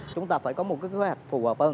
chúng ta phải có một kế hoạch phù hợp hơn